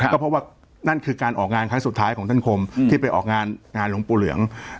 ก็เพราะว่านั่นคือการออกงานครั้งสุดท้ายของท่านคมที่ไปออกงานหลวงปู่เหลือง